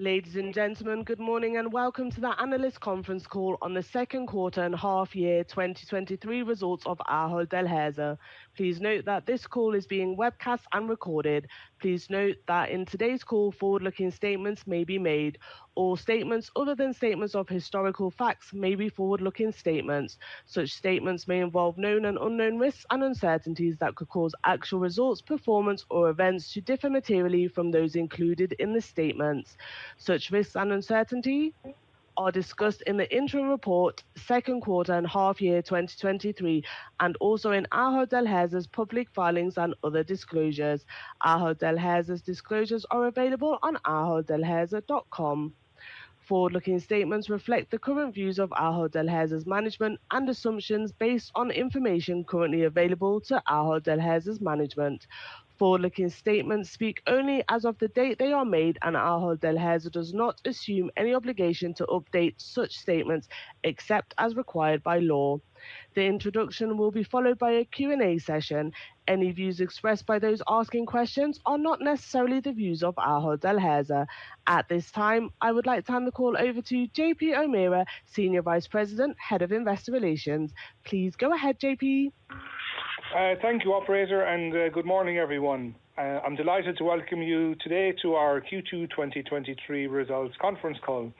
Ladies and gentlemen, good morning, and welcome to the analyst conference call on the second quarter and half year 2023 results of Ahold Delhaize. Please note that this call is being webcast and recorded. Please note that in today's call, forward-looking statements may be made, or statements other than statements of historical facts may be forward-looking statements. Such statements may involve known and unknown risks and uncertainties that could cause actual results, performance, or events to differ materially from those included in the statements. Such risks and uncertainty are discussed in the interim report, second quarter and half year 2023, and also in Ahold Delhaize's public filings and other disclosures. Ahold Delhaize's disclosures are available on aholddelhaize.com. Forward-looking statements reflect the current views of Ahold Delhaize's management and assumptions based on information currently available to Ahold Delhaize's management. Forward-looking statements speak only as of the date they are made, and Ahold Delhaize does not assume any obligation to update such statements, except as required by law. The introduction will be followed by a Q&A session. Any views expressed by those asking questions are not necessarily the views of Ahold Delhaize. At this time, I would like to hand the call over to JP O'Meara, Senior Vice President, Head of Investor Relations. Please go ahead, JP. Thank you, operator, good morning, everyone. I'm delighted to welcome you today to our Q2 2023 results conference call.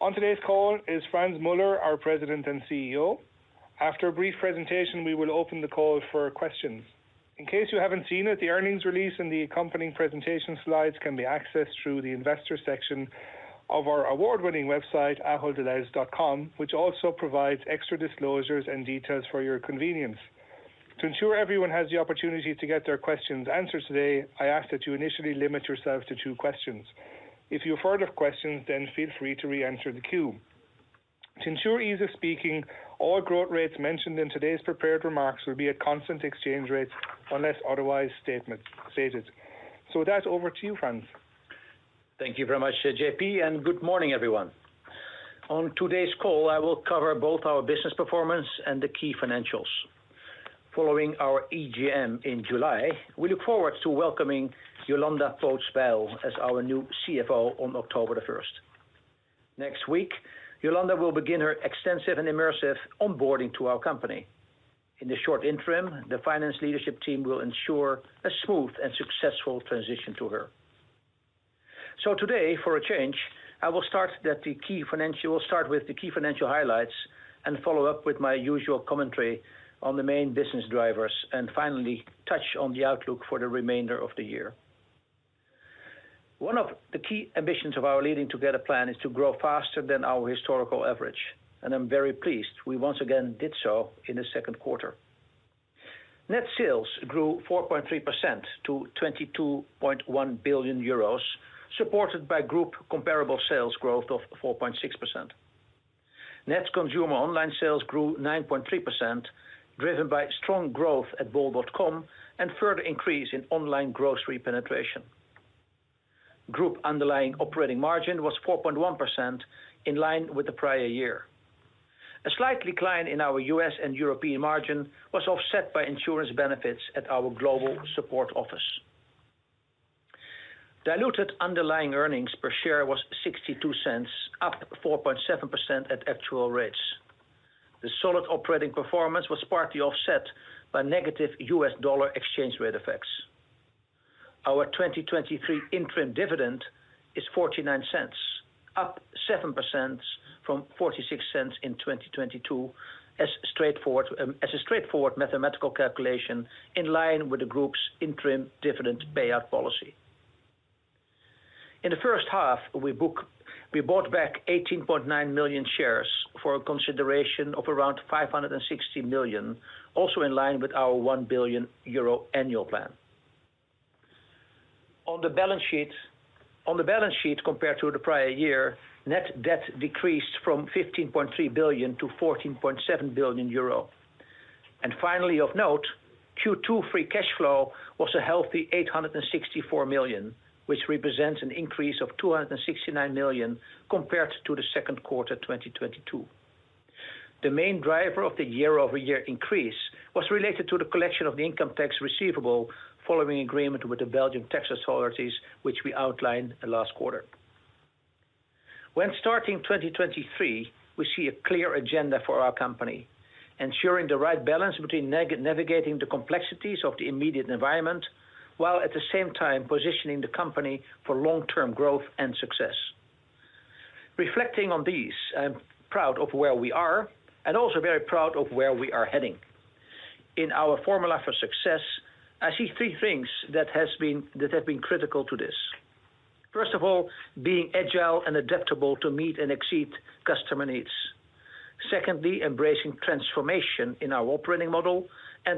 On today's call is Frans Muller, our President and CEO. After a brief presentation, we will open the call for questions. In case you haven't seen it, the earnings release and the accompanying presentation slides can be accessed through the investor section of our award-winning website, aholddelhaize.com, which also provides extra disclosures and details for your convenience. To ensure everyone has the opportunity to get their questions answered today, I ask that you initially limit yourself to two questions. If you have further questions, feel free to reenter the queue. To ensure ease of speaking, all growth rates mentioned in today's prepared remarks will be at constant exchange rates unless otherwise stated. With that, over to you, Frans. Thank you very much, JP, good morning, everyone. On today's call, I will cover both our business performance and the key financials. Following our EGM in July, we look forward to welcoming Jolanda Poots-Bijl as our new CFO on October 1st. Next week, Jolanda will begin her extensive and immersive onboarding to our company. In the short interim, the finance leadership team will ensure a smooth and successful transition to her. Today, for a change, I will start with the key financial highlights and follow up with my usual commentary on the main business drivers, and finally, touch on the outlook for the remainder of the year. One of the key ambitions of our Leading Together plan is to grow faster than our historical average, and I'm very pleased we once again did so in the second quarter. Net sales grew 4.3% to 22.1 billion euros, supported by group comparable sales growth of 4.6%. Net consumer online sales grew 9.3%, driven by strong growth at bol.com, and further increase in online grocery penetration. Group underlying operating margin was 4.1%, in line with the prior year. A slight decline in our U.S. and European margin was offset by insurance benefits at our global support office. Diluted underlying earnings per share was 0.62, up 4.7% at actual rates. The solid operating performance was partly offset by negative U.S. dollar exchange rate effects. Our 2023 interim dividend is 0.49, up 7% from 0.46 in 2022, as a straightforward mathematical calculation in line with the group's interim dividend payout policy. In the first half, we bought back 18.9 million shares for a consideration of around 560 million, also in line with our 1 billion euro annual plan. On the balance sheet, on the balance sheet compared to the prior year, net debt decreased from 15.3 billion to 14.7 billion euro. Finally, of note, Q2 free cash flow was a healthy 864 million, which represents an increase of 269 million compared to the second quarter 2022. The main driver of the year-over-year increase was related to the collection of the income tax receivable following agreement with the Belgian tax authorities, which we outlined last quarter. When starting 2023, we see a clear agenda for our company, ensuring the right balance between navigating the complexities of the immediate environment, while at the same time positioning the company for long-term growth and success. Reflecting on these, I'm proud of where we are, and also very proud of where we are heading. In our formula for success, I see three things that have been critical to this. First of all, being agile and adaptable to meet and exceed customer needs. Secondly, embracing transformation in our operating model.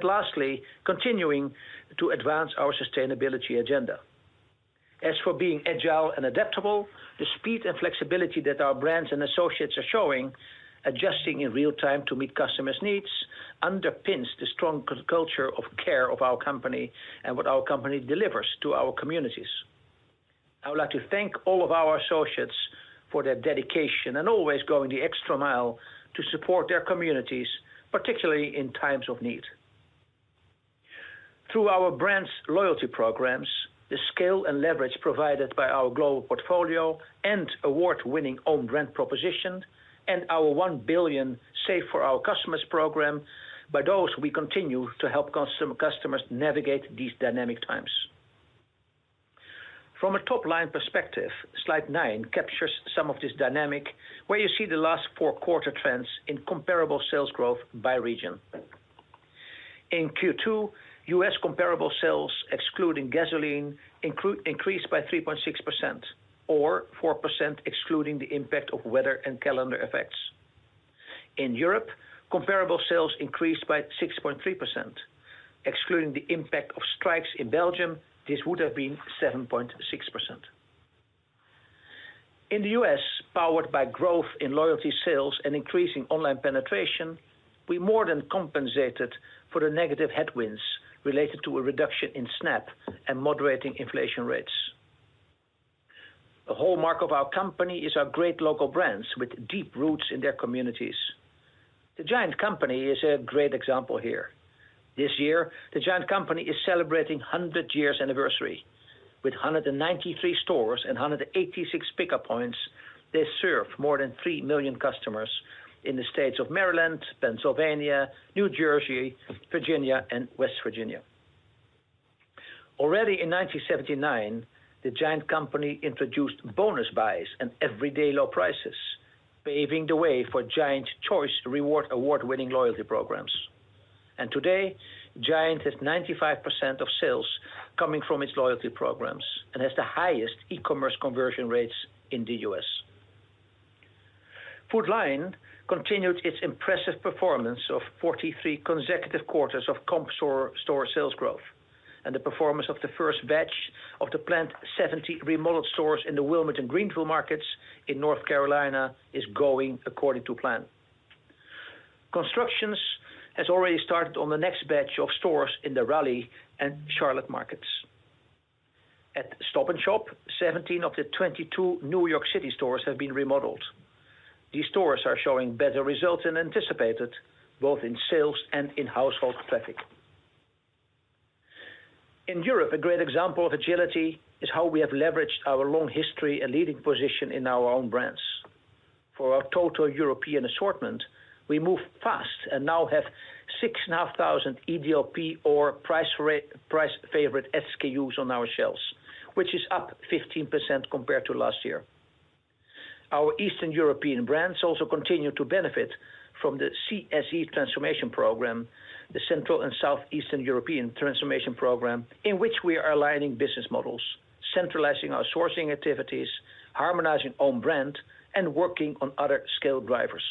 Lastly, continuing to advance our sustainability agenda. As for being agile and adaptable, the speed and flexibility that our brands and associates are showing, adjusting in real time to meet customers' needs, underpins the strong culture of care of our company and what our company delivers to our communities. I would like to thank all of our associates for their dedication and always going the extra mile to support their communities, particularly in times of need. Through our brands loyalty programs, the scale and leverage provided by our global portfolio and award-winning own brand proposition, and our 1 billion Save for Our Customers program, by those, we continue to help customers navigate these dynamic times. From a top-line perspective, slide 9 captures some of this dynamic, where you see the last four quarter trends in comparable sales growth by region. In Q2, U.S. comparable sales, excluding gasoline, increased by 3.6%, or 4%, excluding the impact of weather and calendar effects. In Europe, comparable sales increased by 6.3%. Excluding the impact of strikes in Belgium, this would have been 7.6%. In the U.S., powered by growth in loyalty sales and increasing online penetration, we more than compensated for the negative headwinds related to a reduction in SNAP and moderating inflation rates. A hallmark of our company is our great local brands with deep roots in their communities. The GIANT Company is a great example here. This year, The GIANT Company is celebrating 100-years anniversary. With 193 stores and 186 pickup points, they serve more than 3 million customers in the states of Maryland, Pennsylvania, New Jersey, Virginia, and West Virginia. Already in 1979, The GIANT Company introduced bonus buys and everyday low prices, paving the way for GIANT Choice Rewards, award-winning loyalty programs. Today, GIANT has 95% of sales coming from its loyalty programs and has the highest e-commerce conversion rates in the U.S. Food Lion continued its impressive performance of 43 consecutive quarters of comp store, store sales growth, and the performance of the first batch of the planned 70 remodeled stores in the Wilmington Greenville markets in North Carolina is going according to plan. Construction has already started on the next batch of stores in the Raleigh and Charlotte markets. At Stop & Shop, 17 of the 22 New York City stores have been remodeled. These stores are showing better results than anticipated, both in sales and in household traffic. In Europe, a great example of agility is how we have leveraged our long history and leading position in our own brands. For our total European assortment, we moved fast and now have 6,500 EDLP or price favorite SKUs on our shelves, which is up 15% compared to last year. Our Eastern European brands also continue to benefit from the CSE transformation program, the Central and Southeastern European transformation program, in which we are aligning business models, centralizing our sourcing activities, harmonizing own brand, and working on other scale drivers.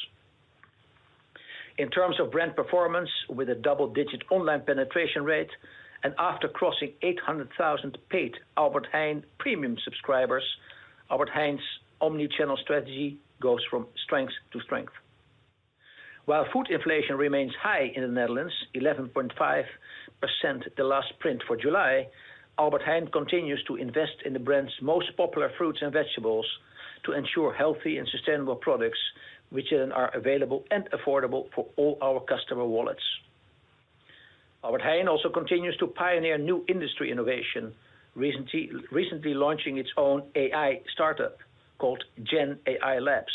In terms of brand performance, with a double-digit online penetration rate, and after crossing 800,000 paid Albert Heijn premium subscribers, Albert Heijn's omni-channel strategy goes from strength to strength. While food inflation remains high in the Netherlands, 11.5%, the last print for July, Albert Heijn continues to invest in the brand's most popular fruits and vegetables to ensure healthy and sustainable products, which then are available and affordable for all our customer wallets. Albert Heijn also continues to pioneer new industry innovation, recently launching its own AI startup called Gen AI Labs.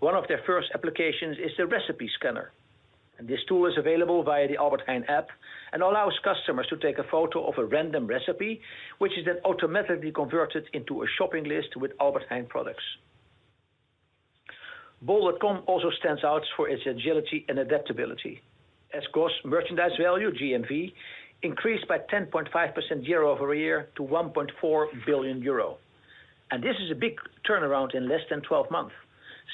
One of their first applications is the recipe scanner. This tool is available via the Albert Heijn app and allows customers to take a photo of a random recipe, which is then automatically converted into a shopping list with Albert Heijn products. Bol.com also stands out for its agility and adaptability, as gross merchandise value, GMV, increased by 10.5% year-over-year to 1.4 billion euro. This is a big turnaround in less than 12 months,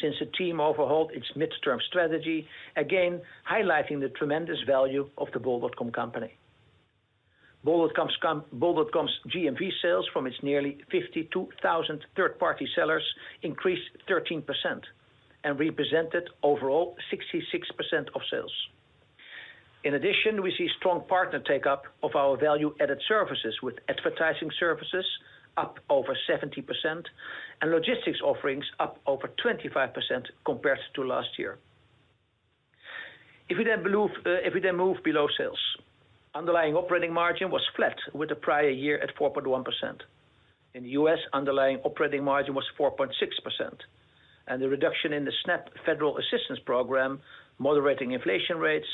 since the team overhauled its midterm strategy, again, highlighting the tremendous value of the Bol.com company. Bol.com's GMV sales from its nearly 52,000 third-party sellers increased 13% and represented overall 66% of sales. In addition, we see strong partner take-up of our value-added services, with advertising services up over 70% and logistics offerings up over 25% compared to last year. If we move below sales, underlying operating margin was flat with the prior year at 4.1%. In the U.S., underlying operating margin was 4.6%. The reduction in the SNAP federal assistance program, moderating inflation rates,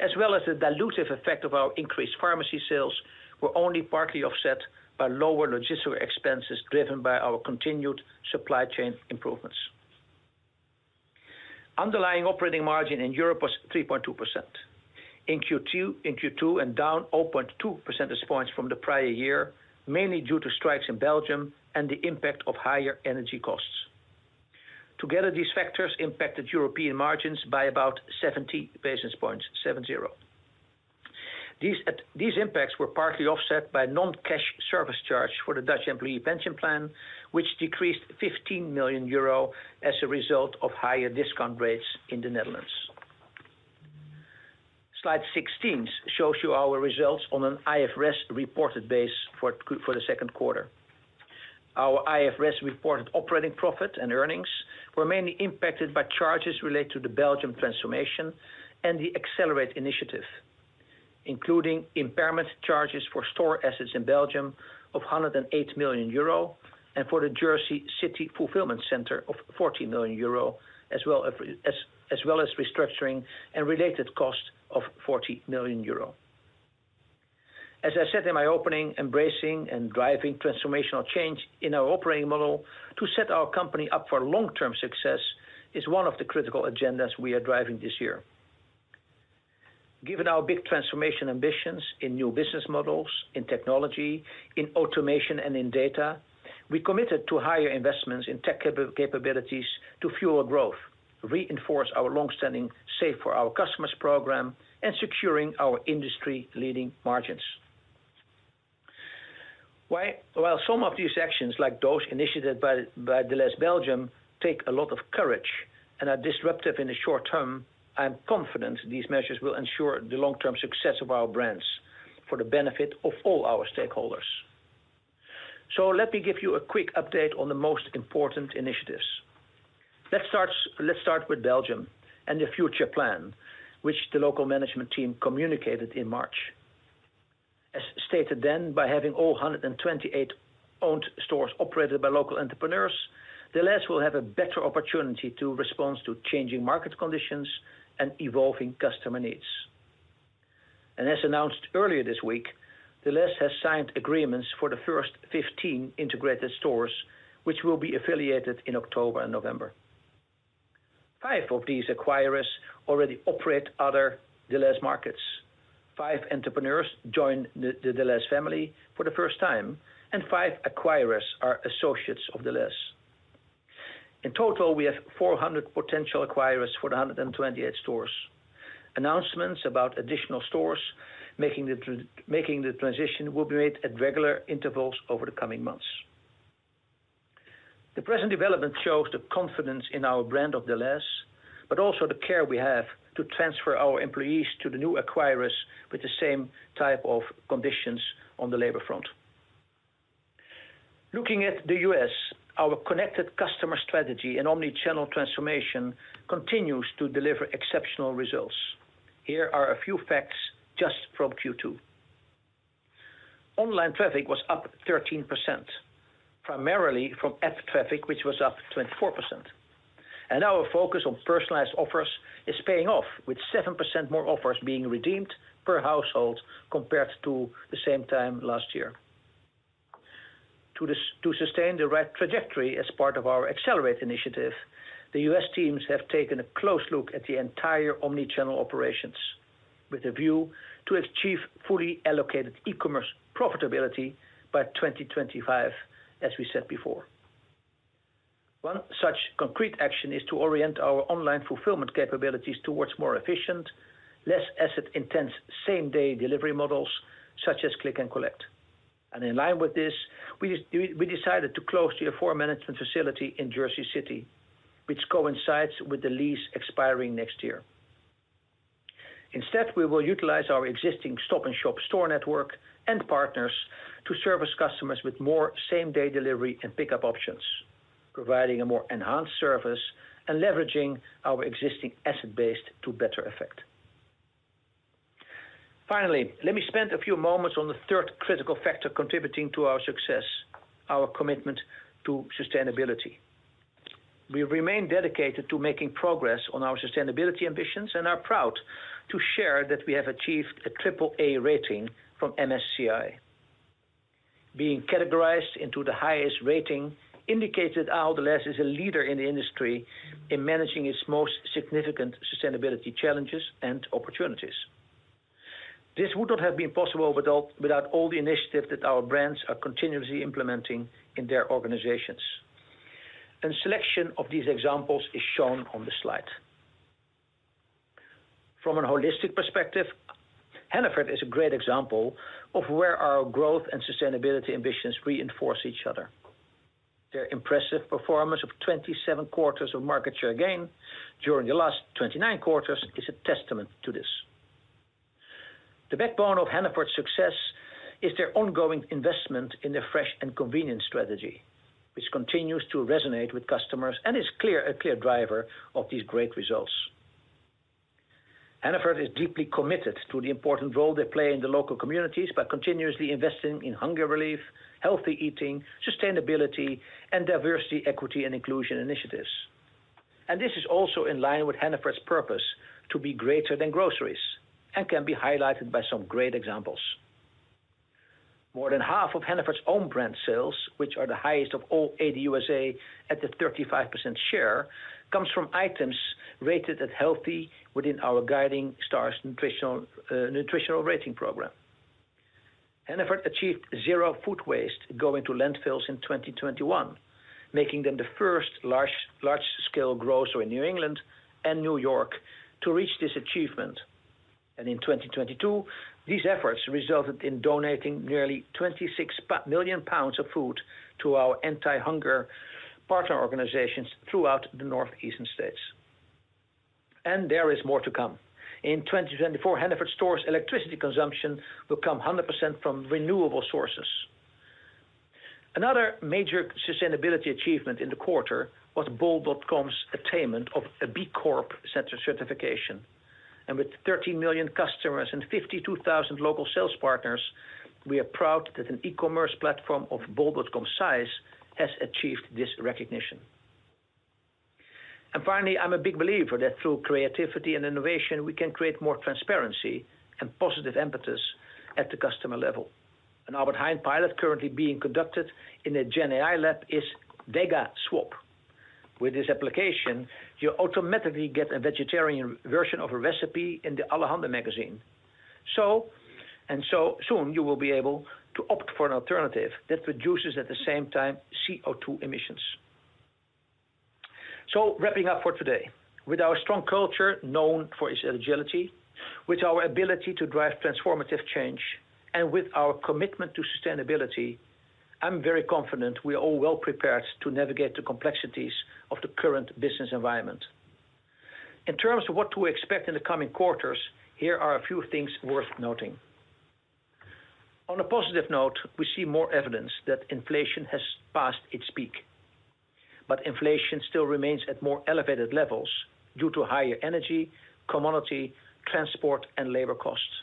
as well as the dilutive effect of our increased pharmacy sales, were only partly offset by lower logistical expenses, driven by our continued supply chain improvements. Underlying operating margin in Europe was 3.2%. In Q2. Down 0.2 percentage points from the prior year, mainly due to strikes in Belgium and the impact of higher energy costs. Together, these factors impacted European margins by about 70 basis points. These impacts were partly offset by non-cash service charge for the Dutch employee pension plan, which decreased 15 million euro as a result of higher discount rates in the Netherlands. Slide 16 shows you our results on an IFRS reported base for the second quarter. Our IFRS reported operating profit and earnings were mainly impacted by charges related to the Belgium transformation and the Accelerate initiative, including impairment charges for store assets in Belgium of 108 million euro, and for the Jersey City fulfillment center of 40 million euro, as well as restructuring and related costs of 40 million euro. As I said in my opening, embracing and driving transformational change in our operating model to set our company up for long-term success, is one of the critical agendas we are driving this year. Given our big transformation ambitions in new business models, in technology, in automation, and in data, we committed to higher investments in tech capabilities to fuel growth, reinforce our long-standing Save for Our Customers program, and securing our industry-leading margins. While some of these actions, like those initiated by Delhaize Belgium, take a lot of courage and are disruptive in the short term, I'm confident these measures will ensure the long-term success of our brands for the benefit of all our stakeholders. Let me give you a quick update on the most important initiatives. Let's start with Belgium and the future plan, which the local management team communicated in March. As stated then, by having all 128 owned stores operated by local entrepreneurs, Delhaize will have a better opportunity to respond to changing market conditions and evolving customer needs. As announced earlier this week, Delhaize has signed agreements for the first 15 integrated stores, which will be affiliated in October and November. Five of these acquirers already operate other Delhaize markets. Five entrepreneurs joined the Delhaize family for the first time, and five acquirers are associates of Delhaize. In total, we have 400 potential acquirers for the 128 stores. Announcements about additional stores making the transition will be made at regular intervals over the coming months. The present development shows the confidence in our brand of Delhaize, also the care we have to transfer our employees to the new acquirers with the same type of conditions on the labor front. Looking at the U.S., our connected customer strategy and omni-channel transformation continues to deliver exceptional results. Here are a few facts just from Q2. Online traffic was up 13%, primarily from app traffic, which was up 24%. Our focus on personalized offers is paying off, with 7% more offers being redeemed per household, compared to the same time last year. To sustain the right trajectory as part of our Accelerate initiative, the U.S. teams have taken a close look at the entire omni-channel operations, with a view to achieve fully allocated e-commerce profitability by 2025, as we said before. One such concrete action is to orient our online fulfillment capabilities towards more efficient, less asset-intense, same-day delivery models, such as click and collect. In line with this, we decided to close the fulfillment management facility in Jersey City, which coincides with the lease expiring next year. Instead, we will utilize our existing Stop & Shop store network and partners to service customers with more same-day delivery and pickup options, providing a more enhanced service and leveraging our existing asset base to better effect. Finally, let me spend a few moments on the third critical factor contributing to our success, our commitment to sustainability. We remain dedicated to making progress on our sustainability ambitions and are proud to share that we have achieved a triple-A rating from MSCI. Being categorized into the highest rating indicates that Ahold Delhaize is a leader in the industry in managing its most significant sustainability challenges and opportunities. This would not have been possible without all the initiatives that our brands are continuously implementing in their organizations. Selection of these examples is shown on the slide. From an holistic perspective, Hannaford is a great example of where our growth and sustainability ambitions reinforce each other. Their impressive performance of 27 quarters of market share gain during the last 29 quarters is a testament to this. The backbone of Hannaford's success is their ongoing investment in their fresh and convenient strategy, which continues to resonate with customers and is clear, a clear driver of these great results. Hannaford is deeply committed to the important role they play in the local communities by continuously investing in hunger relief, healthy eating, sustainability, and diversity, equity, and inclusion initiatives. This is also in line with Hannaford's purpose to be greater than groceries, and can be highlighted by some great examples. More than half of Hannaford's own brand sales, which are the highest of all AD U.S.A at a 35% share, comes from items rated as healthy within our Guiding Stars nutritional nutritional rating program. Hannaford achieved zero food waste going to landfills in 2021, making them the first large-scale grocer in New England and New York to reach this achievement. In 2022, these efforts resulted in donating nearly 26 million pounds of food to our anti-hunger partner organizations throughout the northeastern states. There is more to come. In 2024, Hannaford stores electricity consumption will come 100% from renewable sources. Another major sustainability achievement in the quarter was bol.com's attainment of a B Corp Certification, and with 13 million customers and 52,000 local sales partners, we are proud that an e-commerce platform of bol.com size has achieved this recognition. Finally, I'm a big believer that through creativity and innovation, we can create more transparency and positive emphasis at the customer level. An Albert Heijn pilot currently being conducted in a Gen AI lab is VegaSwap. With this application, you automatically get a vegetarian version of a recipe in the AH magazine. Soon you will be able to opt for an alternative that reduces, at the same time, CO2 emissions. Wrapping up for today, with our strong culture, known for its agility, with our ability to drive transformative change, and with our commitment to sustainability, I'm very confident we are all well prepared to navigate the complexities of the current business environment. In terms of what to expect in the coming quarters, here are a few things worth noting. On a positive note, we see more evidence that inflation has passed its peak, inflation still remains at more elevated levels due to higher energy, commodity, transport, and labor costs.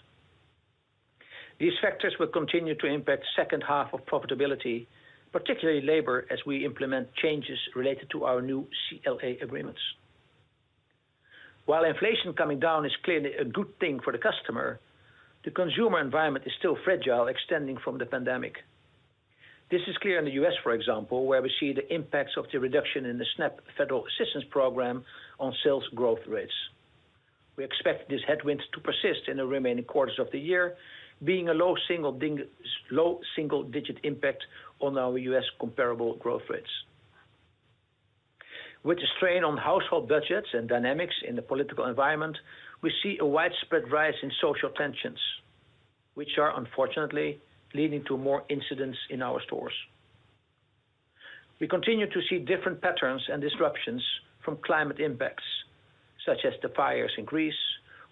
These factors will continue to impact second half of profitability, particularly labor, as we implement changes related to our new CLA agreements. While inflation coming down is clearly a good thing for the customer, the consumer environment is still fragile, extending from the pandemic. This is clear in the U.S., for example, where we see the impacts of the reduction in the SNAP Federal Assistance Program on sales growth rates. We expect this headwind to persist in the remaining quarters of the year, being a low single-digit impact on our U.S. comparable growth rates. With the strain on household budgets and dynamics in the political environment, we see a widespread rise in social tensions, which are unfortunately leading to more incidents in our stores. We continue to see different patterns and disruptions from climate impacts, such as the fires in Greece,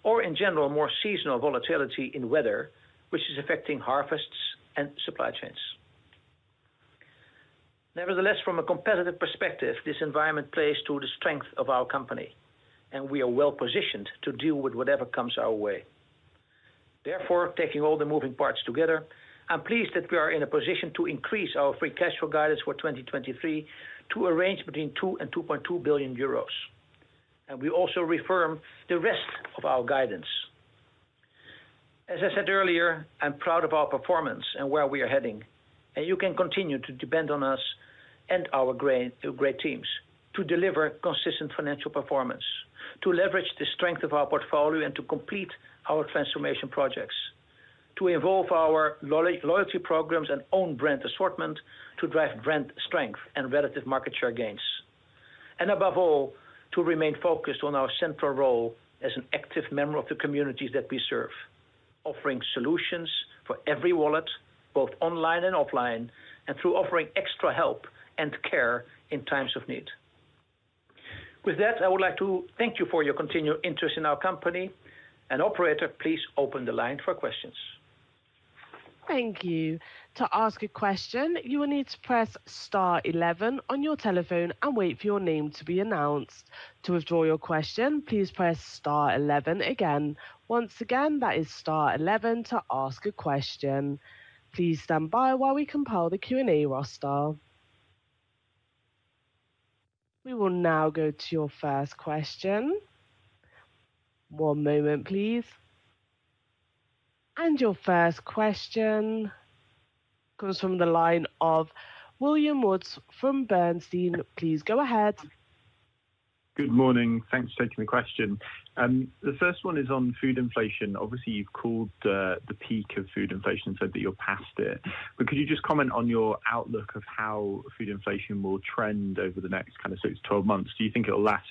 or in general, more seasonal volatility in weather, which is affecting harvests and supply chains. Nevertheless, from a competitive perspective, this environment plays to the strength of our company, and we are well-positioned to deal with whatever comes our way. Therefore, taking all the moving parts together, I'm pleased that we are in a position to increase our free cash flow guidance for 2023 to a range between 2 billion and 2.2 billion euros. We also reaffirm the rest of our guidance. As I said earlier, I'm proud of our performance and where we are heading, and you can continue to depend on us and our great, great teams to deliver consistent financial performance, to leverage the strength of our portfolio, and to complete our transformation projects, to evolve our loyalty programs and own brand assortment, to drive brand strength and relative market share gains, and above all, to remain focused on our central role as an active member of the communities that we serve, offering solutions for every wallet, both online and offline, and through offering extra help and care in times of need. With that, I would like to thank you for your continued interest in our company. Operator, please open the line for questions. Thank you. To ask a question, you will need to press star one one on your telephone and wait for your name to be announced. To withdraw your question, please press star one one again. Once again, that is star one one to ask a question. Please stand by while we compile the Q&A roster. We will now go to your first question. One moment, please. Your first question comes from the line of William Woods from Bernstein. Please go ahead. Good morning. Thanks for taking the question. The 1st one is on food inflation. Obviously, you've called the peak of food inflation, so that you're past it. Could you just comment on your outlook of how food inflation will trend over the next kind of six to 12 months? Do you think it'll last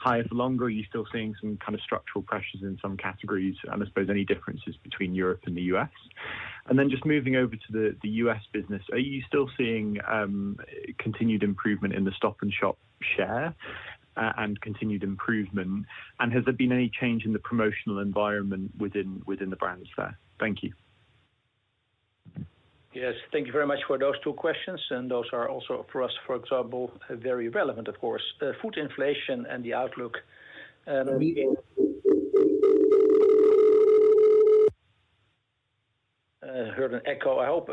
higher for longer? Are you still seeing some kind of structural pressures in some categories? I suppose any differences between Europe and the U.S. Just moving over to the U.S. business, are you still seeing continued improvement in the Stop & Shop share and continued improvement? Has there been any change in the promotional environment within the brands there? Thank you. Yes, thank you very much for those two questions. Those are also, for us, for example, very relevant, of course, food inflation and the outlook. I heard an echo. I hope,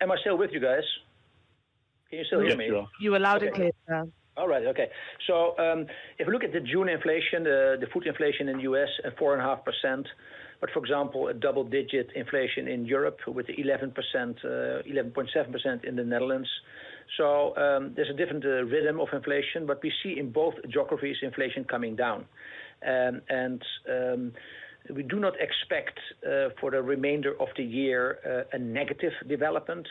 am I still with you guys? Can you still hear me? Yes, we are. You are loud and clear, sir. All right. Okay. If you look at the June inflation, the food inflation in the U.S. at 4.5%, but for example, a double-digit inflation in Europe with 11%, 11.7 in the Netherlands. There's a different rhythm of inflation, but we see in both geographies, inflation coming down. We do not expect for the remainder of the year a negative development,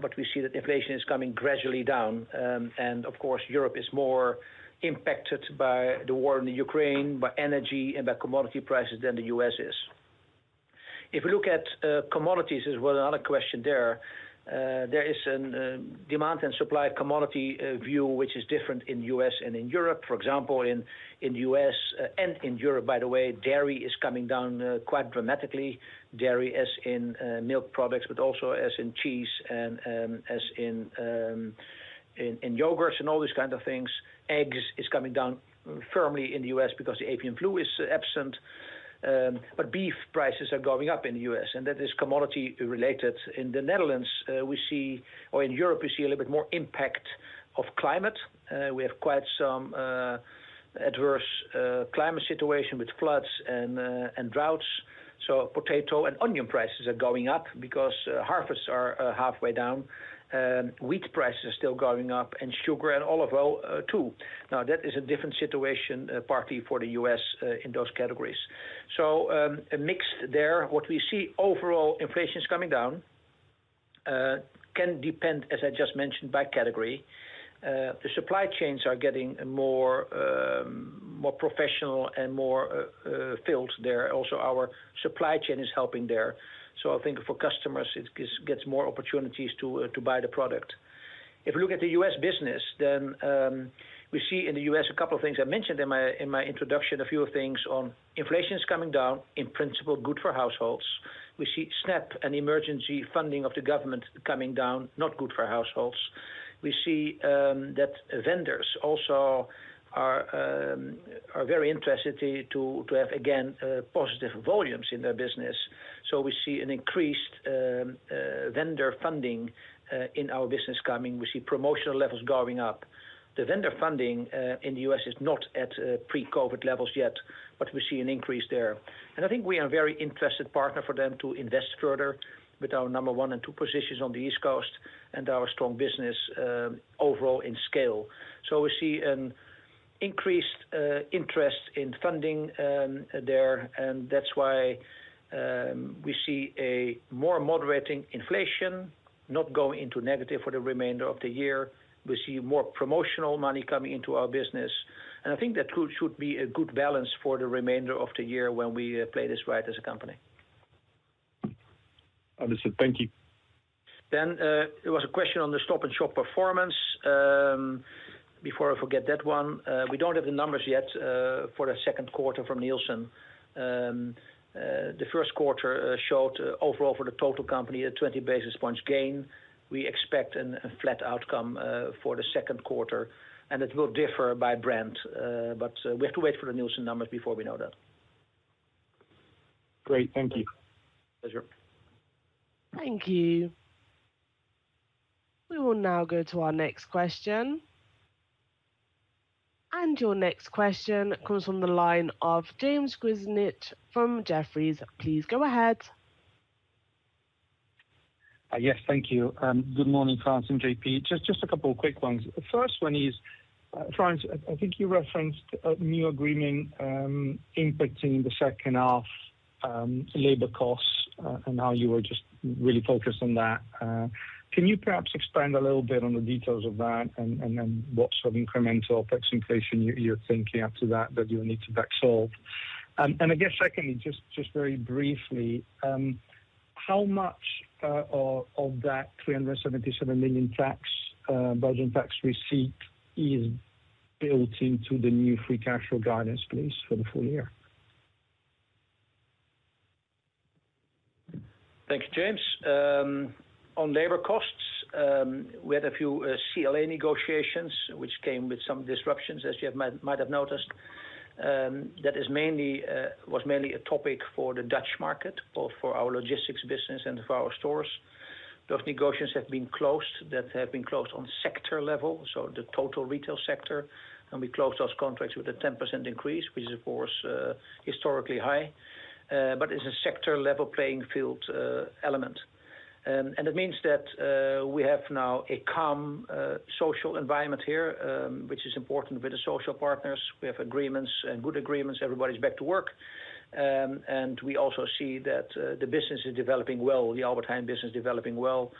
but we see that inflation is coming gradually down. Of course, Europe is more impacted by the war in the Ukraine, by energy, and by commodity prices than the U.S. is. If you look at commodities, as well, another question there, there is a demand and supply commodity view, which is different in U.S. and in Europe. For example, in, in U.S., and in Europe, by the way, dairy is coming down quite dramatically. Dairy as in milk products, but also as in cheese and as in in in yogurts and all these kind of things. Eggs is coming down firmly in the U.S. because the avian flu is absent. Beef prices are going up in the U.S., and that is commodity-related. In the Netherlands, we see or in Europe, we see a little bit more impact of climate. We have quite some adverse climate situation with floods and and droughts. Potato and onion prices are going up because harvests are halfway down. Wheat prices are still going up, sugar and olive oil, too. Now, that is a different situation, partly for the U.S., in those categories. A mix there. What we see overall, inflation is coming down, can depend, as I just mentioned, by category. The supply chains are getting more, more professional and more, filled there. Also, our supply chain is helping there. I think for customers, it gives, gets more opportunities to buy the product. If you look at the U.S. business, we see in the U.S. a couple of things I mentioned in my, in my introduction, a few things on inflation is coming down, in principle, good for households. We see SNAP and emergency funding of the government coming down, not good for households. We see that vendors also are very interested to have, again, positive volumes in their business. We see an increased vendor funding in our business coming. We see promotional levels going up. The vendor funding in the U.S. is not at pre-COVID levels yet, but we see an increase there. I think we are a very interested partner for them to invest further with our number one and two positions on the East Coast and our strong business overall in scale. We see an increased interest in funding there. That's why we see a more moderating inflation, not going into negative for the remainder of the year. We see more promotional money coming into our business, and I think that should should be a good balance for the remainder of the year when we play this right as a company. Understood. Thank you. There was a question on the Stop & Shop performance. Before I forget that one, we don't have the numbers yet for the 2nd quarter from Nielsen. The 1st quarter showed overall for the total company, a 20 basis points gain. We expect a flat outcome for the 2nd quarter, and it will differ by brand, but we have to wait for the Nielsen numbers before we know that. Great. Thank you. Pleasure. Thank you. We will now go to our next question. Your next question comes from the line of James Grzinic from Jefferies. Please go ahead. Yes, thank you. Good morning, Frans and JP. Just a couple of quick ones. The first one is, Frans, I think you referenced a new agreement impacting the second half labor costs, and how you were just really focused on that. Can you perhaps expand a little bit on the details of that, and then what sort of incremental fixed inflation you're thinking after that, that you need to backsolve? And I guess secondly, very briefly, how much of that 377 million tax Belgian tax receipt is built into the new free cash flow guidance, please, for the full year? Thank you, James. On labor costs, we had a few CLA negotiations, which came with some disruptions, as you might have noticed. That was mainly a topic for the Dutch market, both for our logistics business and for our stores. Those negotiations have been closed on sector level, so the total retail sector. We closed those contracts with a 10% increase, which is, of course, historically high, but it's a sector-level playing field element. It means that we have now a calm, social environment here, which is important with the social partners. We have agreements and good agreements. Everybody's back to work. We also see that the business is developing well, the Albert Heijn business developing well,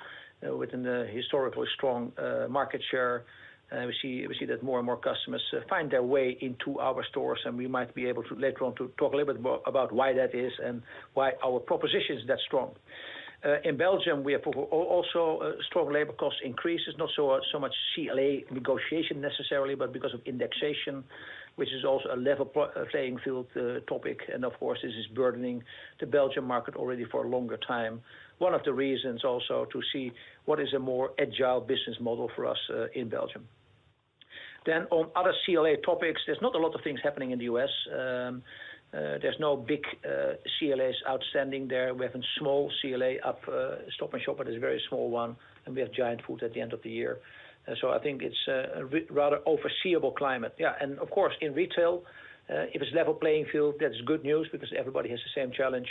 within the historically strong market share. We see, we see that more and more customers find their way into our stores, and we might be able to later on to talk a little bit more about why that is and why our proposition is that strong. In Belgium, we have also strong labor cost increases, not so, so much CLA negotiation necessarily, but because of indexation, which is also a level playing field topic. Of course, this is burdening the Belgium market already for a longer time. One of the reasons also to see what is a more agile business model for us in Belgium. On other CLA topics, there's not a lot of things happening in the U.S. There's no big CLAs outstanding there. We have a small CLA up Stop & Shop, but it's a very small one, and we have Giant Food at the end of the year. I think it's a rather overseeable climate. Of course, in retail, if it's a level playing field, that's good news because everybody has the same challenge.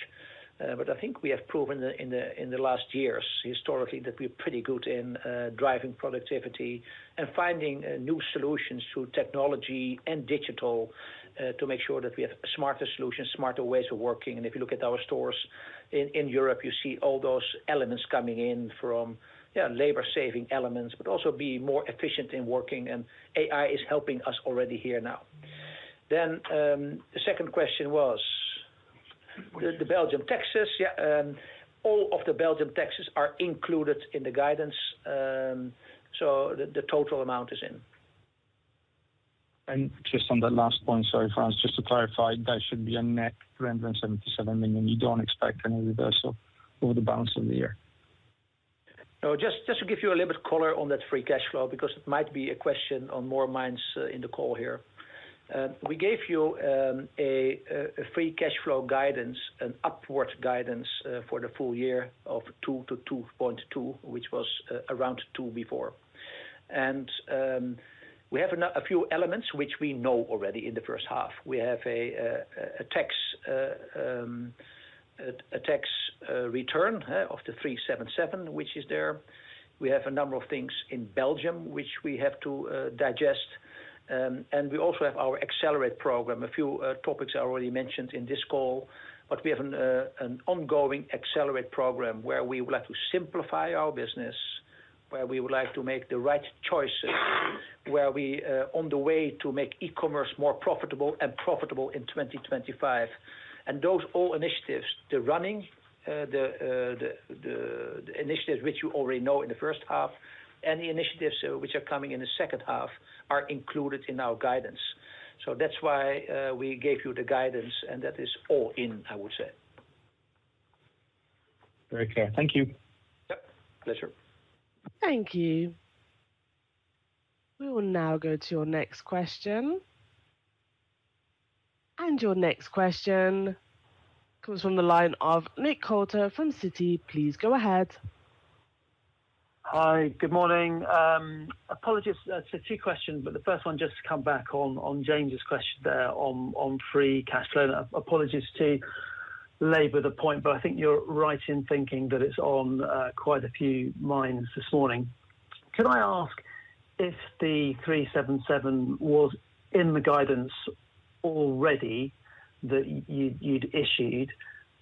I think we have proven in the last years, historically, that we're pretty good in driving productivity and finding new solutions through technology and digital, to make sure that we have smarter solutions, smarter ways of working. If you look at our stores in Europe, you see all those elements coming in from, yeah, labor-saving elements, but also be more efficient in working, and AI is helping us already here now. The second question was. What is it? The Belgium taxes. Yeah, all of the Belgium taxes are included in the guidance, so the total amount is in. Just on that last point, sorry, Frans, just to clarify, that should be a net 377, and you don't expect any reversal over the balance of the year? No, just, just to give you a little bit color on that free cash flow, because it might be a question on more minds in the call here. We gave you a free cash flow guidance, an upward guidance for the full year of 2 billion-2.2 billion, which was around 2 before. We have a few elements which we know already in the first half. We have a tax return of 377 million, which is there. We have a number of things in Belgium, which we have to digest. We also have our Accelerate program. A few topics are already mentioned in this call, but we have an ongoing Accelerate program where we would like to simplify our business, where we would like to make the right choices, where we on the way to make e-commerce more profitable and profitable in 2025. Those all initiatives, the running, the initiatives which you already know in the first half and the initiatives which are coming in the second half, are included in our guidance. That's why we gave you the guidance, and that is all in, I would say. Very clear. Thank you. Yep, pleasure. Thank you. We will now go to your next question. Your next question comes from the line of Nick Coulter from Citi. Please go ahead. Hi, good morning. Apologies, it's a two-question, but the first one, just to come back on James's question there on free cash flow. Apologies to labor the point, but I think you're right in thinking that it's on quite a few minds this morning. Can I ask if the 377 million was in the guidance already that you'd issued?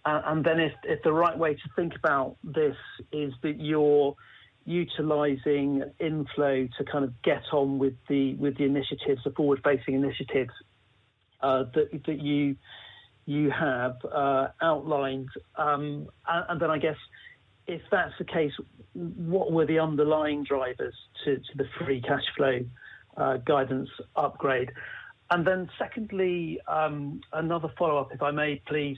Then if the right way to think about this is that you're utilizing inflow to kind of get on with the initiatives, the forward-facing initiatives, that you have outlined. Then I guess if that's the case, what were the underlying drivers to the free cash flow guidance upgrade? Secondly, another follow-up, if I may, please.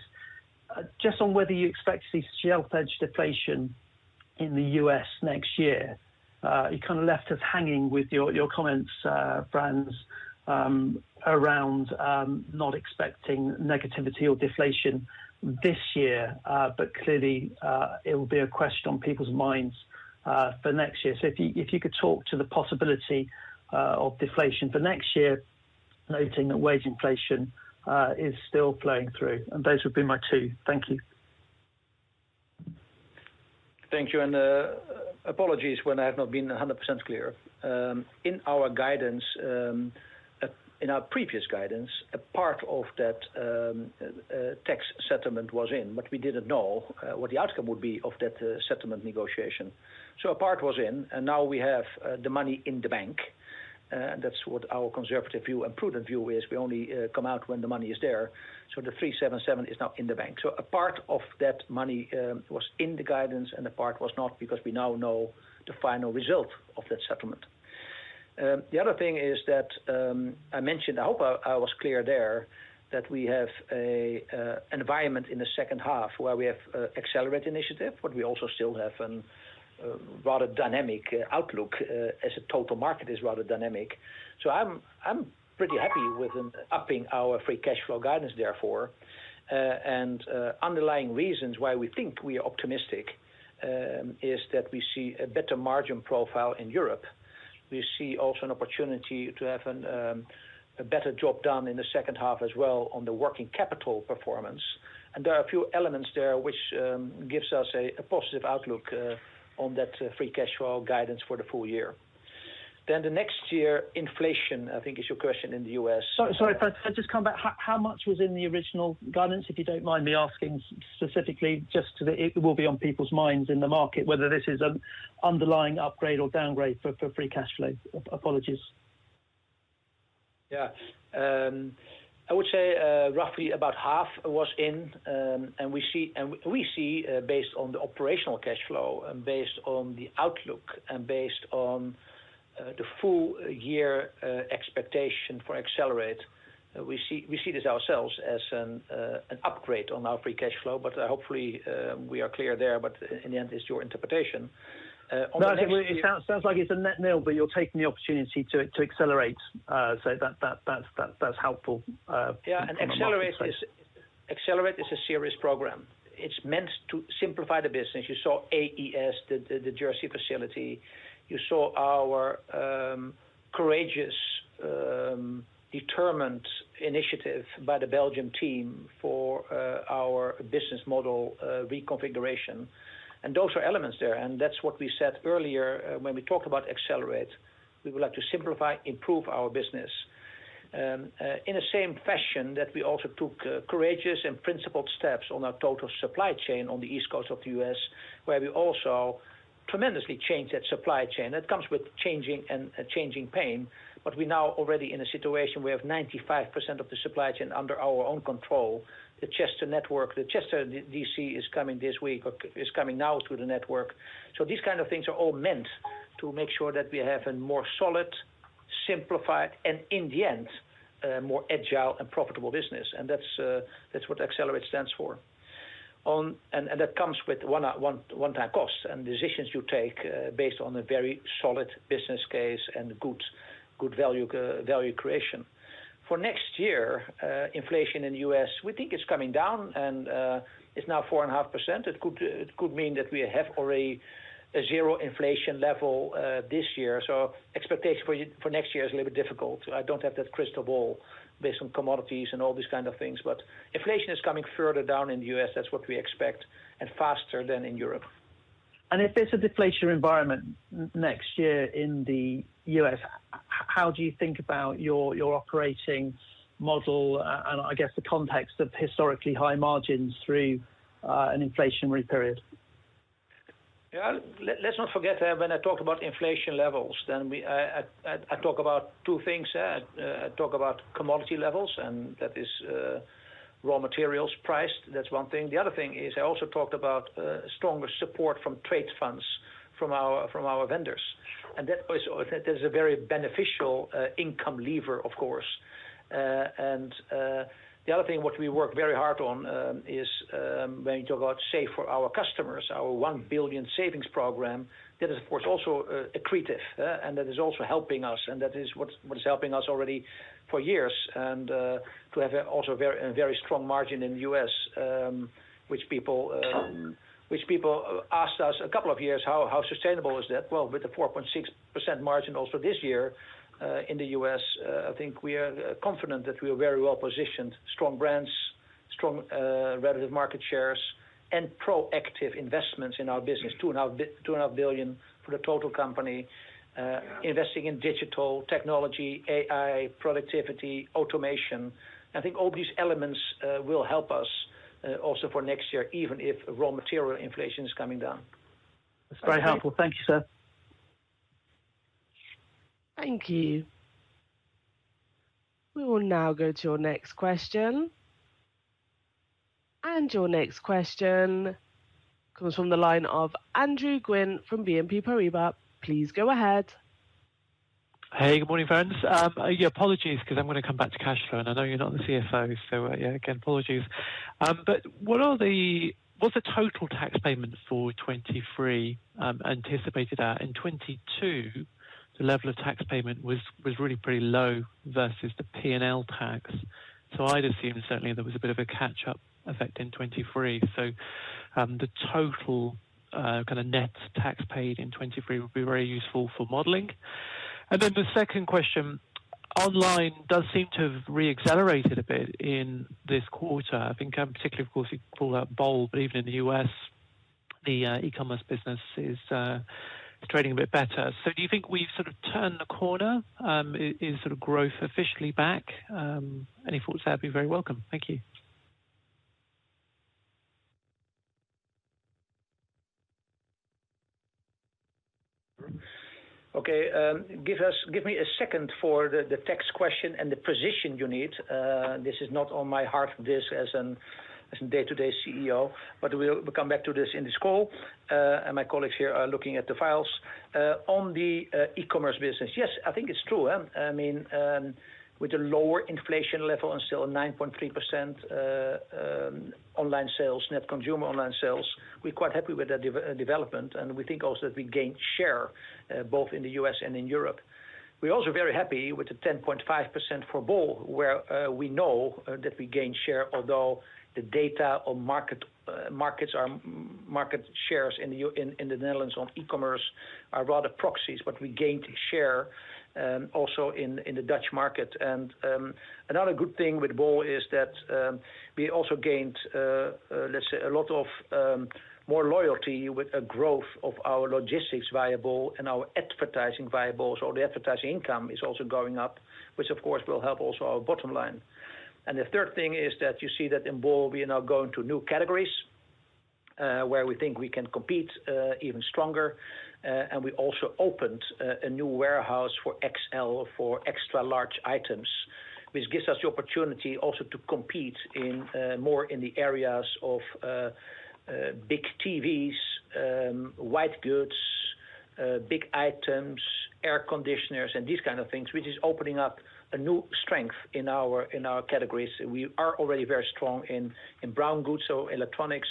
Just on whether you expect to see shelf edge deflation in the U.S. next year. You kind of left us hanging with your, your comments, Frans, around not expecting negativity or deflation this year, but clearly, it will be a question on people's minds for next year. If you, if you could talk to the possibility of deflation for next year, noting that wage inflation is still playing through. Those would be my two. Thank you. Thank you. Apologies when I have not been 100% clear. In our guidance, in our previous guidance, a part of that tax settlement was in, but we didn't know what the outcome would be of that settlement negotiation. A part was in, and now we have the money in the bank. That's what our conservative view and prudent view is. We only come out when the money is there. The 377 million is now in the bank. A part of that money was in the guidance, and a part was not, because we now know the final result of that settlement. The other thing is that, I mentioned, I hope I was clear there, that we have an environment in the second half where we have Accelerate initiative, but we also still have a rather dynamic outlook as the total market is rather dynamic. I'm pretty happy with upping our free cash flow guidance therefore. Underlying reasons why we think we are optimistic is that we see a better margin profile in Europe. We see also an opportunity to have a better job done in the second half as well on the working capital performance. There are a few elements there which gives us a positive outlook on that free cash flow guidance for the full year. The next year, inflation, I think, is your question in the U.S.? Sorry, sorry, if I could just come back. How much was in the original guidance? If you don't mind me asking specifically, just to the-- it will be on people's minds in the market, whether this is an underlying upgrade or downgrade for, for free cash flow. Apologies. Yeah. I would say, roughly about half was in, and we see, based on the operational cash flow and based on the outlook and based on the full year expectation for Accelerate, we see this ourselves as an upgrade on our free cash flow. Hopefully, we are clear there, but in the end, it's your interpretation. On the next year. No, it sounds, sounds like it's a net nil, but you're taking the opportunity to, to accelerate, so that, that, that's, that's helpful, from my perspective. Yeah, Accelerate is a serious program. It's meant to simplify the business. You saw AES, the Jersey facility. You saw our courageous, determined initiative by the Belgium team for our business model reconfiguration. Those are elements there, and that's what we said earlier when we talked about Accelerate. We would like to simplify, improve our business. In the same fashion that we also took courageous and principled steps on our total supply chain on the East Coast of the U.S., where we also tremendously changed that supply chain. It comes with changing and a changing pain, but we now already in a situation where we have 95% of the supply chain under our own control. The Chester network, the Chester DC is coming this week, or is coming now to the network. These kind of things are all meant to make sure that we have a more solid, simplified, and in the end, more agile and profitable business, and that's what Accelerate stands for. That comes with one-time cost and decisions you take based on a very solid business case and good, good value creation. For next year, inflation in the U.S., we think it's coming down and it's now 4.5%. It could mean that we have already a zero inflation level this year. Expectation for next year is a little bit difficult. I don't have that crystal ball based on commodities and all these kind of things, but inflation is coming further down in the U.S., that's what we expect, and faster than in Europe. If there's a deflation environment next year in the U.S., how do you think about your, your operating model, and I guess the context of historically high margins through an inflationary period? Let's not forget, when I talk about inflation levels, then I talk about two things. I talk about commodity levels, and that is raw materials price, that's one thing. The other thing is, I also talked about stronger support from trade funds from our, from our vendors, and that is a very beneficial, income lever, of course. The other thing which we work very hard on, is, when you talk about Save for Our Customers, our 1 billion savings program, that is, of course, also, accretive, and that is also helping us, and that is what's, what is helping us already for years. To have a also very, a very strong margin in the U.S., which people, which people asked us a couple of years, how, how sustainable is that? Well, with the 4.6% margin also this year, in the U.S., I think we are confident that we are very well positioned. Strong brands, strong relative market shares, and proactive investments in our business, $2.5 billion for the total company, investing in digital technology, AI, productivity, automation. I think all these elements will help us also for next year, even if raw material inflation is coming down. That's very helpful. Thank you, sir. Thank you. We will now go to your next question. Your next question comes from the line of Andrew Gwynn from BNP Paribas. Please go ahead. Hey, good morning, friends. Yeah, apologies, because I'm going to come back to cash flow, and I know you're not the CFO, so yeah, again, apologies. What's the total tax payment for 2023 anticipated at? In 2022, the level of tax payment was really pretty low versus the P&L tax. I'd assume certainly there was a bit of a catch-up effect in 2023. The total kind of net tax paid in 2023 would be very useful for modeling. The second question, online does seem to have re-accelerated a bit in this quarter. I think, particularly, of course, you call out Bol, but even in the U.S., the e-commerce business is trading a bit better. Do you think we've sort of turned the corner, is sort of growth officially back? Any thoughts there would be very welcome. Thank you. Okay, give me a second for the tax question and the position you need. This is not on my heart disk as a day-to-day CEO, but we'll come back to this in this call. My colleagues here are looking at the files. On the e-commerce business. Yes, I think it's true, I mean, with a lower inflation level and still 9.3% online sales, net consumer online sales, we're quite happy with that development, and we think also that we gained share, both in the U.S. and in Europe. We're also very happy with the 10.5% for Bol, where we know that we gained share, although the data on market market shares in the U. In, in the Netherlands on e-commerce are rather proxies, but we gained share, also in, in the Dutch market. Another good thing with Bol is that we also gained, let's say, a lot of more loyalty with a growth of our logistics via Bol and our advertising via Bol. The advertising income is also going up, which of course, will help also our bottom line. The third thing is that you see that in Bol, we are now going to new categories, where we think we can compete even stronger. We also opened a new warehouse for XL, for extra large items, which gives us the opportunity also to compete more in the areas of big TVs, white goods, big items, air conditioners, and these kind of things, which is opening up a new strength in our categories. We are already very strong in brown goods, so electronics,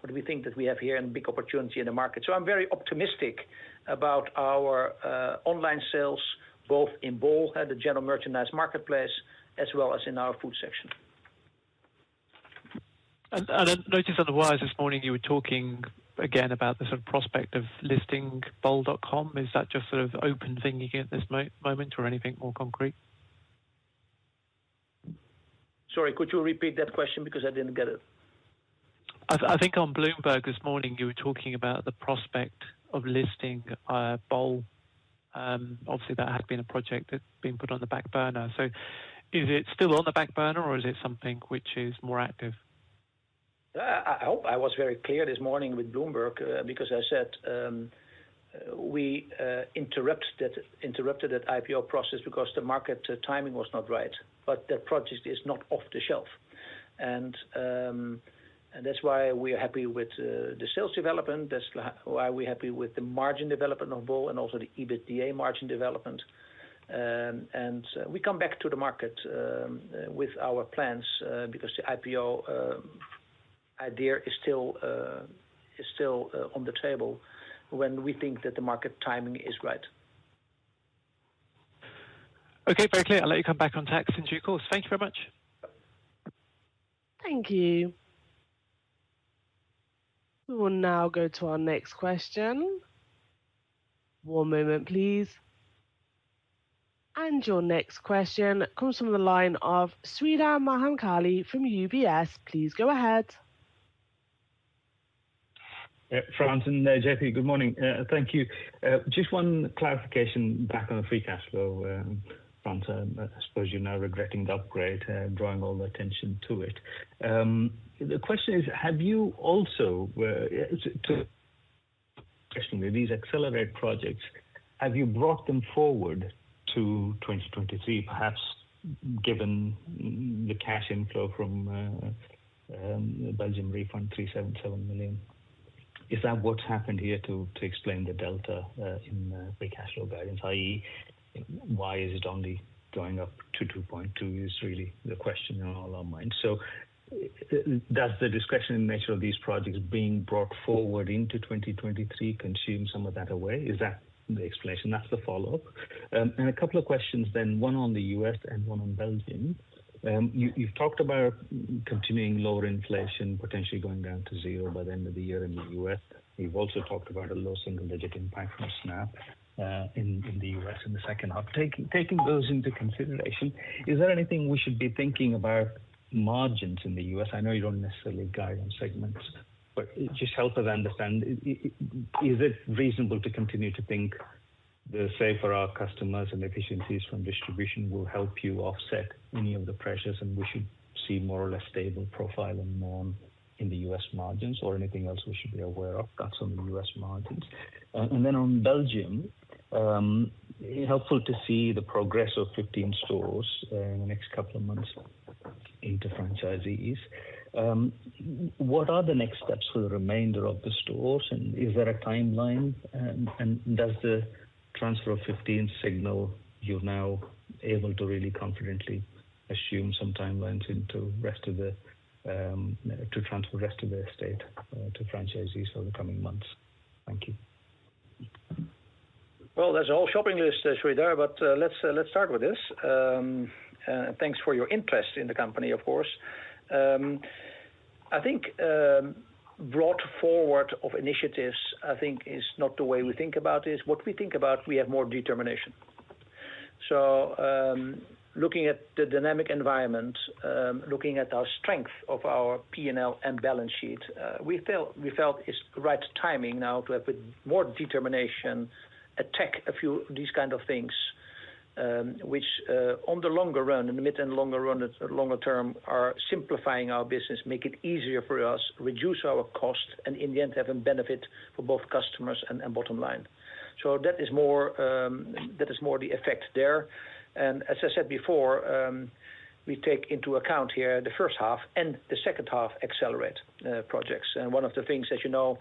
but we think that we have here a big opportunity in the market. I'm very optimistic about our online sales, both in Bol, at the general merchandise marketplace, as well as in our food section. I noticed otherwise, this morning you were talking again about the sort of prospect of listing bol.com. Is that just sort of open thing again at this moment or anything more concrete? Sorry, could you repeat that question because I didn't get it? I, I think on Bloomberg this morning, you were talking about the prospect of listing, Bol. Obviously, that has been a project that's been put on the back burner. Is it still on the back burner or is it something which is more active? I hope I was very clear this morning with Bloomberg, because I said we interrupted that, interrupted that IPO process because the market timing was not right, but that project is not off the shelf. That's why we are happy with the sales development. That's why we're happy with the margin development of Bol and also the EBITDA margin development. We come back to the market with our plans, because the IPO idea is still, is still on the table when we think that the market timing is right. Okay, very clear. I'll let you come back on tax in due course. Thank you very much. Thank you. We will now go to our next question. One moment, please. Your next question comes from the line of Sreedhar Mahamkali from UBS. Please go ahead. Yeah, Frans and JP, good morning. Thank you. Just one clarification back on the free cash flow, Frans. I suppose you're now regretting the upgrade, drawing all the attention to it. The question is, have you also, to these Accelerate projects, have you brought them forward to 2023, perhaps, given the cash inflow from the Belgium refund, 377 million? Is that what happened here to explain the delta in the free cash flow guidance? i.e., why is it only going up to 2.2 million, is really the question on all our minds. Does the discretion and nature of these projects being brought forward into 2023 consume some of that away? Is that the explanation? That's the follow-up. A couple of questions then, one on the U.S. and one on Belgium. You, you've talked about continuing lower inflation, potentially going down to zero by the end of the year in the U.S. You've also talked about a low single-digit impact from SNAP in the U.S. in the second half. Taking, taking those into consideration, is there anything we should be thinking about margins in the U.S.? I know you don't necessarily guide on segments, but just help us understand, is it reasonable to continue to think the Save for Our Customers and efficiencies from distribution will help you offset any of the pressures, and we should see more or less stable profile and more in the U.S. margins or anything else we should be aware of? That's on the U.S. margins. On Belgium, helpful to see the progress of 15 stores in the next couple of months into franchisees. What are the next steps for the remainder of the stores, and is there a timeline? Does the transfer of 15 signal you're now able to really confidently assume some timelines into rest of the, to transfer the rest of the estate to franchisees over the coming months? Thank you. Well, that's a whole shopping list Sreedhar, but let's, let's start with this. Thanks for your interest in the company, of course. I think, brought forward of initiatives, I think is not the way we think about this. What we think about, we have more determination. Looking at the dynamic environment, looking at our strength of our P&L and balance sheet, we felt, we felt it's the right timing now to have with more determination, attack a few of these kind of things, which, on the longer run, in the mid and longer run, longer term, are simplifying our business, make it easier for us, reduce our cost, and in the end, have a benefit for both customers and, and bottom line. That is more, that is more the effect there. As I said before, we take into account here the first half and the second half Accelerate projects. One of the things, as you know,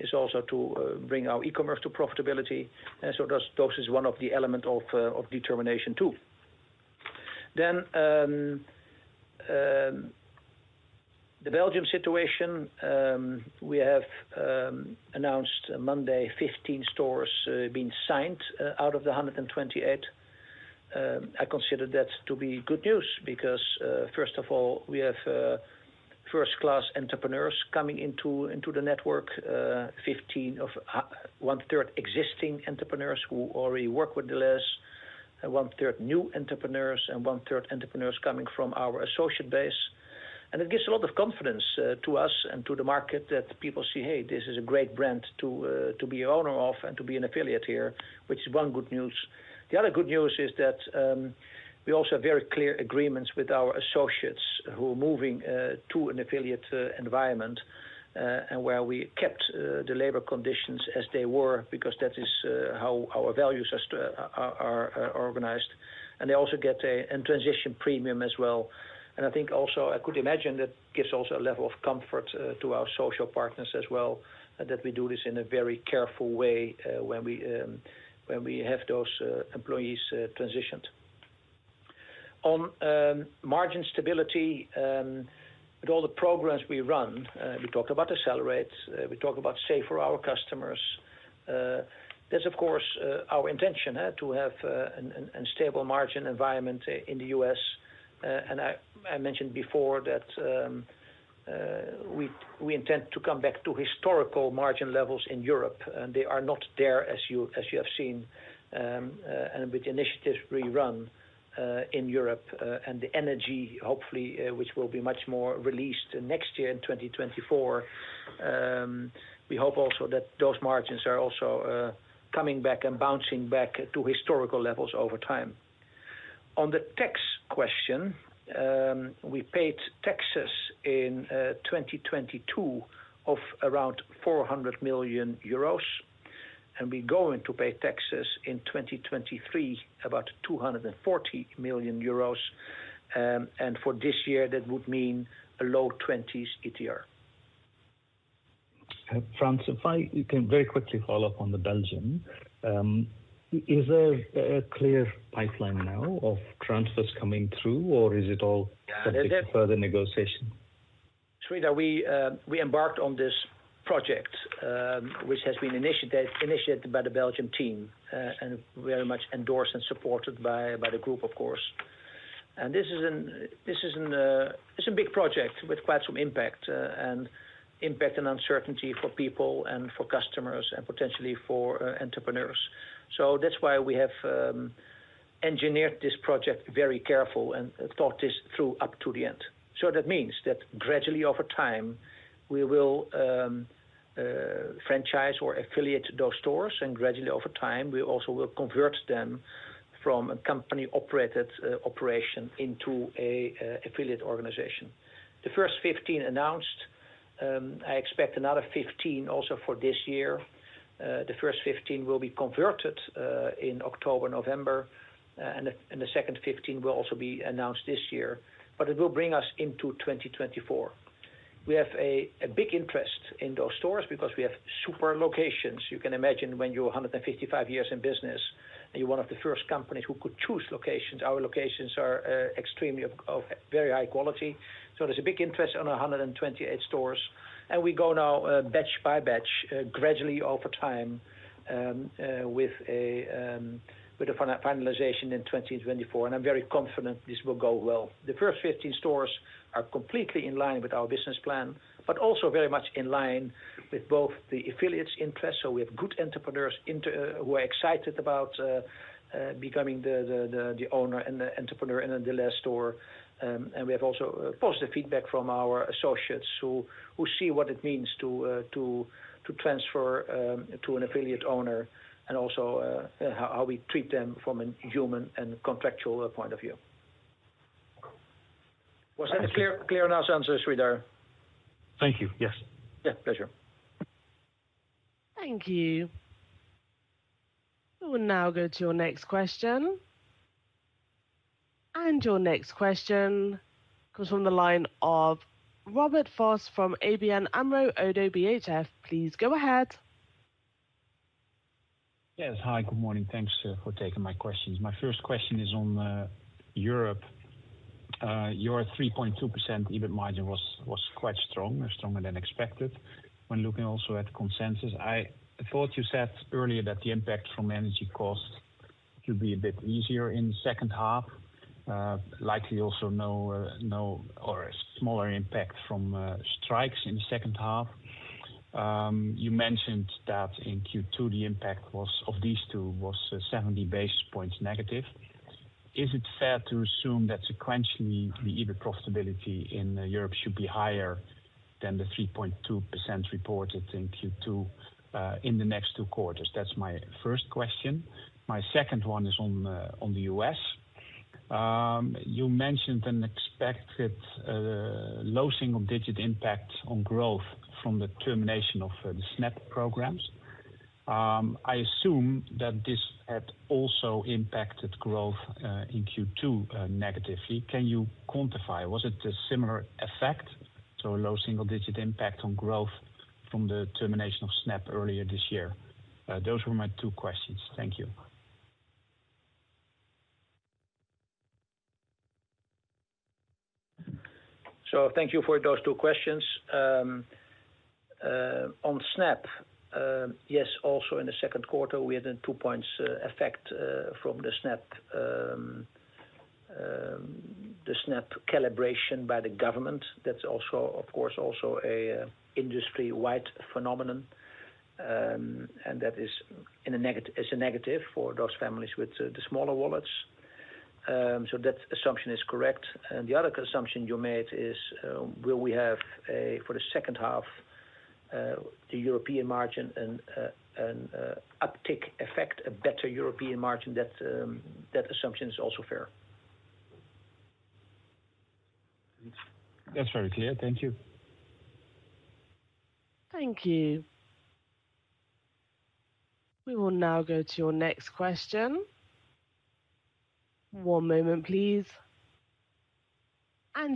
is also to bring our e-commerce to profitability, so those is one of the element of determination, too. The Belgium situation, we have announced Monday, 15 stores being signed out of the 128. I consider that to be good news because, first of all, we have first-class entrepreneurs coming into the network, 15 of one-third existing entrepreneurs who already work with Delhaize, and one third new entrepreneurs, and one third entrepreneurs coming from our associate base. It gives a lot of confidence to us and to the market that people see, hey, this is a great brand to be owner of and to be an affiliate here, which is 1 good news. The other good news is that, we also have very clear agreements with our associates who are moving, to an affiliate environment, and where we kept the labor conditions as they were, because that is how our values are organized. And they also get a transition premium as well. And I think also, I could imagine that gives also a level of comfort to our social partners as well, that we do this in a very careful way, when we, when we have those employees transitioned. On, margin stability, with all the programs we run, we talk about Accelerate, we talk about Save for Our Customers. There's of course, our intention, to have a stable margin environment in the U.S. I, I mentioned before that, we, we intend to come back to historical margin levels in Europe, and they are not there as you, as you have seen, and with the initiatives we run, in Europe, and the energy, hopefully, which will be much more released next year in 2024. We hope also that those margins are also, coming back and bouncing back to historical levels over time. On the tax question, we paid taxes in 2022 of around 400 million euros, and we're going to pay taxes in 2023, about 240 million euros. For this year, that would mean a low 20s ETR. Frans, if we can very quickly follow up on the Belgium. Is there a clear pipeline now of transfers coming through, or is it all subject to further negotiation? Sreedhar, we embarked on this project, which has been initiated by the Belgian team and very much endorsed and supported by the group, of course. This is an, it's a big project with quite some impact and impact and uncertainty for people and for customers and potentially for entrepreneurs. That's why we have engineered this project very careful and thought this through up to the end. That means that gradually over time, we will franchise or affiliate those stores, gradually over time, we also will convert them from a company-operated operation into a affiliate organization. The first 15 announced, I expect another 15 also for this year. The first 15 will be converted in October, November, and the second 15 will also be announced this year, but it will bring us into 2024. We have a big interest in those stores because we have super locations. You can imagine when you're 155 years in business, and you're one of the first companies who could choose locations, our locations are extremely of very high quality. There's a big interest on 128 stores, and we go now batch by batch gradually over time with a final finalization in 2024, and I'm very confident this will go well. The first 15 stores are completely in line with our business plan, but also very much in line with both the affiliates' interest. We have good entrepreneurs into who are excited about becoming the owner and the entrepreneur in the Delhaize store. We have also positive feedback from our associates who see what it means to transfer to an affiliate owner, and also how we treat them from a human and contractual point of view. Was that clear enough answer, Sridhar? Thank you. Yes. Yeah, pleasure. Thank you. We will now go to your next question. Your next question comes from the line of Robert Vos from ABN AMRO-ODDO BHF. Please go ahead. Yes, hi, good morning. Thanks for taking my questions. My first question is on Europe. Your 3.2% EBIT margin was quite strong, stronger than expected when looking also at consensus. I thought you said earlier that the impact from energy costs should be a bit easier in the second half, likely also no or a smaller impact from strikes in the second half. You mentioned that in Q2, the impact was, of these two, was 70 basis points negative. Is it fair to assume that sequentially, the EBIT profitability in Europe should be higher than the 3.2% reported in Q2 in the next two quarters? That's my first question. My second one is on the U.S. You mentioned an expected low single-digit impact on growth from the termination of the SNAP programs. I assume that this had also impacted growth in Q2 negatively. Can you quantify? Was it a similar effect, so a low single-digit impact on growth from the termination of SNAP earlier this year? Those were my two questions. Thank you. Thank you for those two questions. On SNAP, yes, also in the second quarter, we had a 2 points effect from the SNAP, the SNAP calibration by the government. That's also, of course, also a industry-wide phenomenon, and that is a negative for those families with the smaller wallets. That assumption is correct. The other assumption you made is, will we have a, for the second half, the European margin and an uptick effect, a better European margin? That, that assumption is also fair. That's very clear. Thank you. Thank you. We will now go to your next question. One moment, please.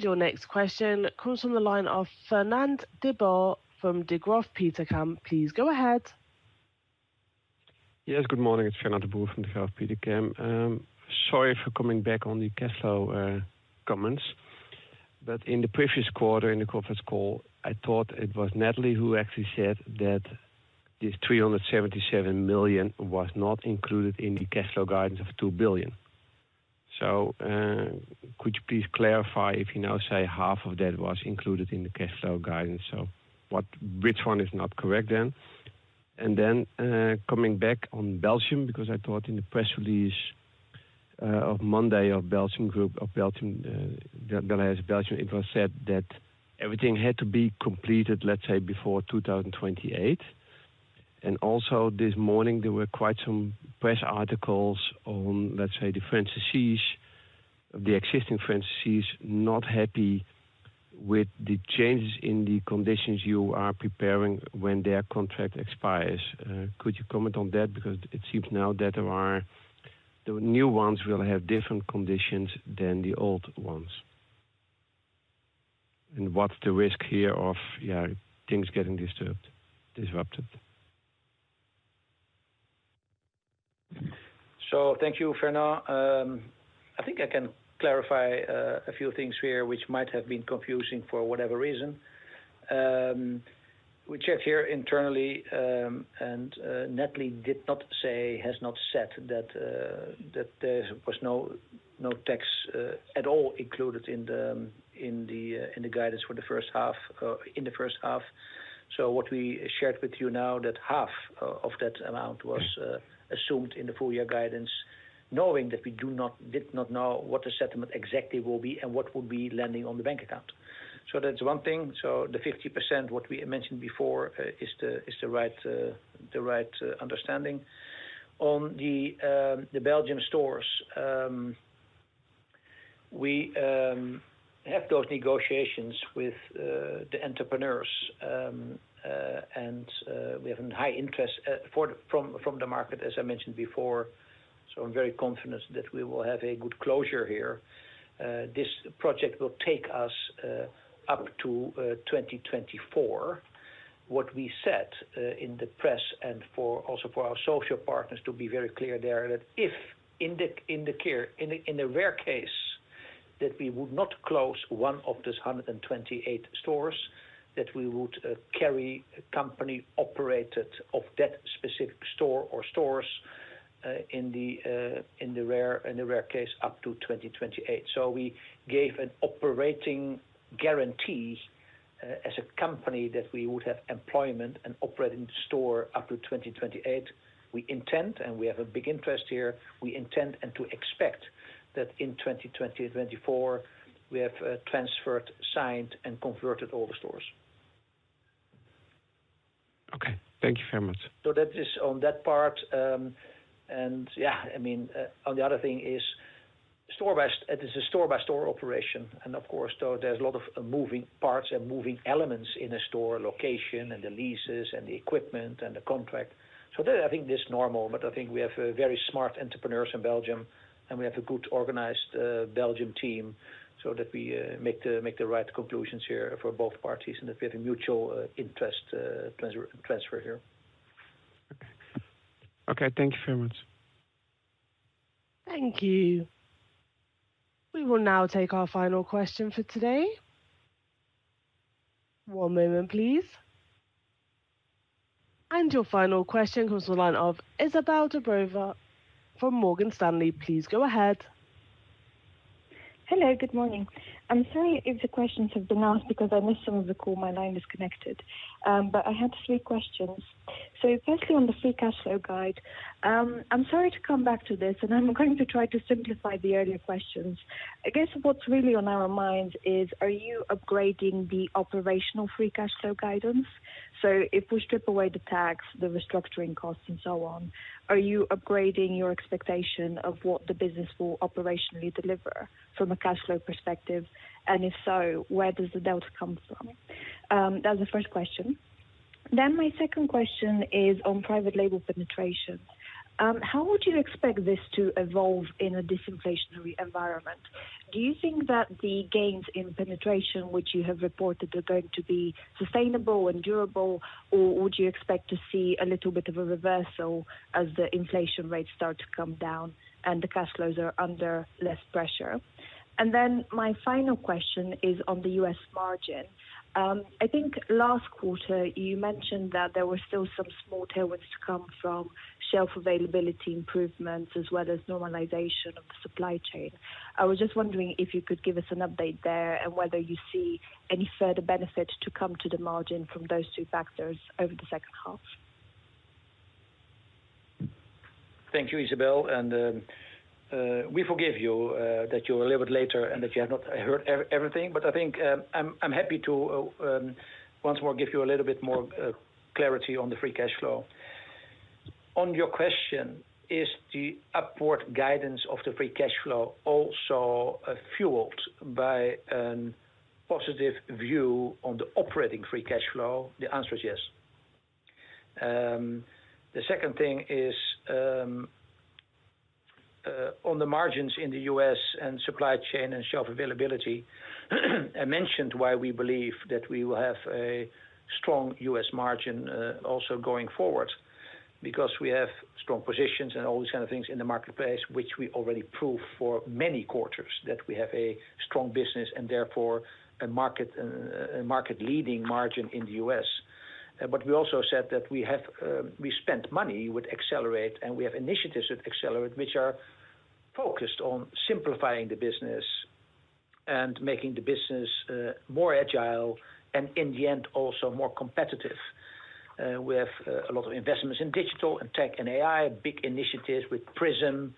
Your next question comes from the line of Fernand de Boer from Degroof Petercam. Please go ahead. Yes, good morning, it's Fernand de Boer from Degroof Petercam. Sorry for coming back on the cash flow comments, but in the previous quarter, in the conference call, I thought it was Natalie who actually said that this 377 million was not included in the cash flow guidance of 2 billion. Could you please clarify if, you know, half of that was included in the cash flow guidance? What-- which one is not correct then? Coming back on Belgium, because I thought in the press release of Monday of Belgium group, of Belgium, Delhaize Belgium, it was said that everything had to be completed before 2028. Also this morning, there were quite some press articles on, let's say, the franchisees, of the existing franchisees not happy with the changes in the conditions you are preparing when their contract expires. Could you comment on that? Because it seems now that there are, the new ones will have different conditions than the old ones. What's the risk here of things getting disturbed, disrupted? Thank you, Fernand de Boer. I think I can clarify a few things here, which might have been confusing for whatever reason. We checked here internally, Natalie did not say, has not said that there was no, no tax at all included in the guidance for the first half, in the first half. What we shared with you now, that half, of, of that amount was assumed in the full year guidance, knowing that we did not know what the settlement exactly will be and what will be landing on the bank account. That's one thing. The 50%, what we mentioned before, is the, is the right, the right understanding. On the Belgian stores, we have those negotiations with the entrepreneurs, and we have a high interest for the, from, from the market, as I mentioned before, so I'm very confident that we will have a good closure here. This project will take us up to 2024. What we said in the press and for also for our social partners to be very clear there, that if in the, in the care, in the, in the rare case that we would not close one of these 128 stores, that we would carry a company operated of that specific store or stores, in the, in the rare, in the rare case, up to 2028. We gave an operating guarantee, as a company, that we would have employment and operate in the store up to 2028. We intend, and we have a big interest here, we intend, and to expect that in 2020 or 2024, we have, transferred, signed, and converted all the stores. Okay, thank you very much. That is on that part. Yeah, I mean, on the other thing is store by It is a store-by-store operation, and of course, so there's a lot of moving parts and moving elements in a store, location, and the leases, and the equipment, and the contract. That I think is normal, but I think we have very smart entrepreneurs in Belgium, and we have a good organized Belgium team so that we make the, make the right conclusions here for both parties, and that we have a mutual interest, transfer, transfer here. Okay. Okay, thank you very much. Thank you. We will now take our final question for today. One moment, please. Your final question comes the line of Izabel Dobreva from Morgan Stanley. Please go ahead. Hello, good morning. I'm sorry if the questions have been asked because I missed some of the call, my line disconnected. I had three questions. Firstly, on the free cash flow guide, I'm sorry to come back to this, and I'm going to try to simplify the earlier questions. I guess what's really on our minds is, are you upgrading the operational free cash flow guidance? If we strip away the tax, the restructuring costs, and so on, are you upgrading your expectation of what the business will operationally deliver from a cash flow perspective? If so, where does the delta come from? That's the first question. My second question is on private label penetration. How would you expect this to evolve in a disinflationary environment? Do you think that the gains in penetration, which you have reported, are going to be sustainable and durable, or would you expect to see a little bit of a reversal as the inflation rates start to come down and the cash flows are under less pressure? Then my final question is on the U.S. margin. I think last quarter, you mentioned that there were still some small tailwinds to come from shelf availability improvements, as well as normalization of the supply chain. I was just wondering if you could give us an update there, and whether you see any further benefit to come to the margin from those two factors over the second half? Thank you, Isabelle, and we forgive you that you're a little bit later and that you have not heard everything, but I think, I'm happy to once more, give you a little bit more clarity on the free cash flow. On your question, is the upward guidance of the free cash flow also fueled by a positive view on the operating free cash flow? The answer is yes. The second thing is, on the margins in the U.S. and supply chain and shelf availability, I mentioned why we believe that we will have a strong U.S. margin also going forward, because we have strong positions and all these kind of things in the marketplace, which we already proved for many quarters, that we have a strong business and therefore a market leading margin in the U.S. We also said that we have, we spent money with Accelerate, and we have initiatives with Accelerate, which are focused on simplifying the business, and making the business more agile, and in the end, also more competitive. We have a lot of investments in digital, and tech, and AI, big initiatives with PRISM,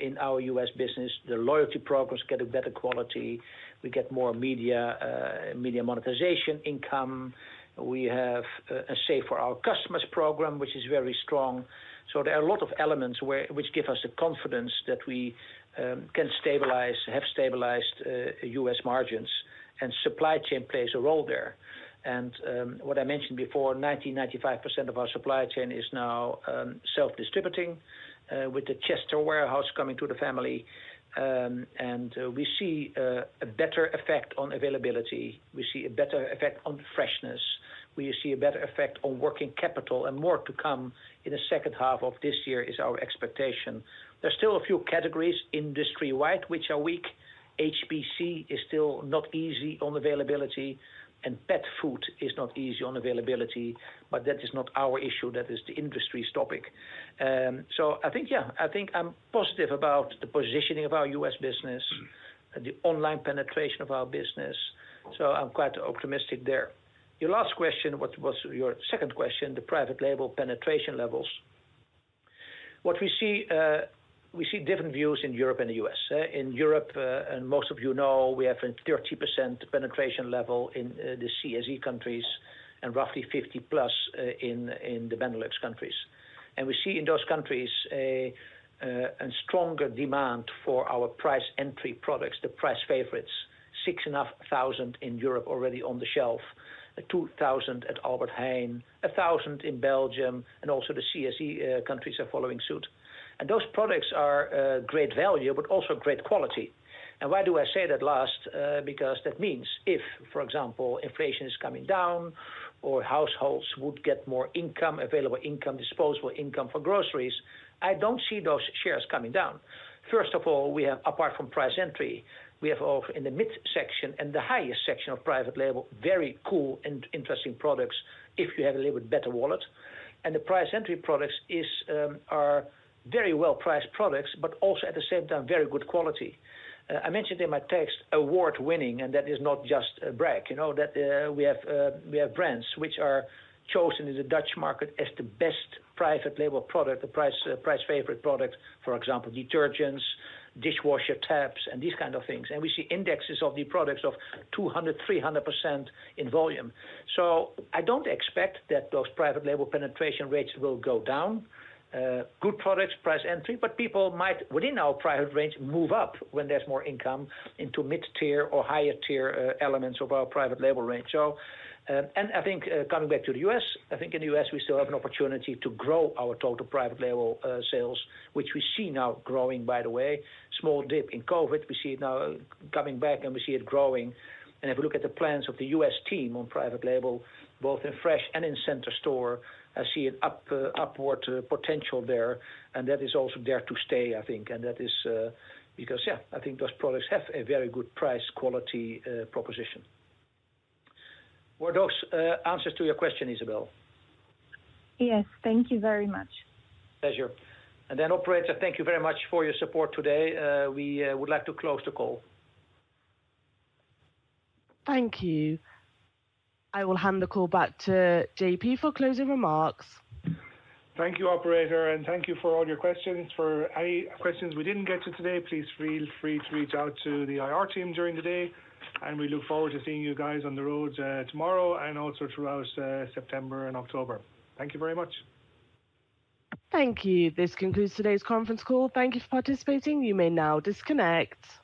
in our U.S. business. The loyalty programs get a better quality. We get more media, media monetization income. We have a Save for Our Customers program, which is very strong. There are a lot of elements which give us the confidence that we can stabilize, have stabilized, U.S. margins, and supply chain plays a role there. What I mentioned before, 90-95% of our supply chain is now self-distributing with the Chester warehouse coming to the family. We see a better effect on availability. We see a better effect on freshness. We see a better effect on working capital and more to come in the second half of this year is our expectation. There are still a few categories industry-wide, which are weak. HBC is still not easy on availability, and pet food is not easy on availability, but that is not our issue, that is the industry's topic. So I think, yeah, I think I'm positive about the positioning of our U.S. business, the online penetration of our business, so I'm quite optimistic there. Your last question, what was your second question, the private label penetration levels? What we see, we see different views in Europe and the U.S. In Europe, and most of you know, we have a 30% penetration level in the CSE countries and roughly 50+ in the Benelux countries. We see in those countries a stronger demand for our price entry products, the price favorites. 6,500 in Europe already on the shelf, 2,000 at Albert Heijn, 1,000 in Belgium, also the CSE countries are following suit. Those products are great value, but also great quality. Why do I say that last? Because that means if, for example, inflation is coming down, or households would get more income, available income, disposable income for groceries, I don't see those shares coming down. First of all, we have, apart from price entry, we have in the midsection and the highest section of private label, very cool and interesting products if you have a little bit better wallet. The price entry products are very well-priced products, but also at the same time, very good quality. I mentioned in my text, award-winning, and that is not just a brag. You know, that we have, we have brands which are chosen in the Dutch market as the best private label product, the price, price favorite product, for example, detergents, dishwasher tabs, and these kind of things. We see indexes of the products of 200%, 300% in volume. I don't expect that those private label penetration rates will go down. Good products, price entry, but people might, within our private range, move up when there's more income into mid-tier or higher tier elements of our private label range. I think, coming back to the U.S., I think in the U.S., we still have an opportunity to grow our total private label sales, which we see now growing, by the way. Small dip in COVID, we see it now coming back, and we see it growing. If you look at the plans of the U.S. team on private label, both in fresh and in center store, I see an upward potential there, and that is also there to stay, I think. That is, because, yeah, I think those products have a very good price-quality proposition. Were those answers to your question, Izabel? Yes, thank you very much. Pleasure. operator, thank you very much for your support today. we would like to close the call. Thank you. I will hand the call back to JP for closing remarks. Thank you, operator, and thank you for all your questions. For any questions we didn't get to today, please feel free to reach out to the IR team during the day, and we look forward to seeing you guys on the road, tomorrow and also throughout September and October. Thank you very much. Thank you. This concludes today's conference call. Thank you for participating. You may now disconnect.